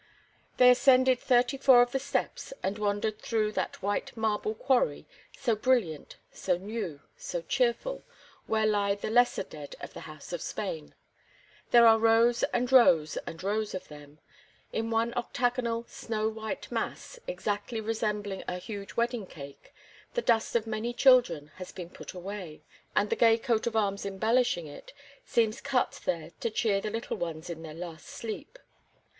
They ascended thirty four of the steps and wandered through that white marble quarry, so brilliant, so new, so cheerful, where lie the lesser dead of the House of Spain. There are rows and rows and rows of them. In one octagonal, snow white mass, exactly resembling a huge wedding cake, the dust of many children has been put away, and the gay coat of arms embellishing it seems cut there to cheer the little ones in their last sleep.